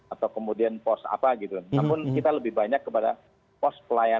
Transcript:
atau kemudian pos apa gitu namun kita lebih banyak kepada pos pelayanan